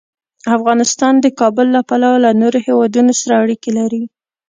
افغانستان د کابل له پلوه له نورو هېوادونو سره اړیکې لري.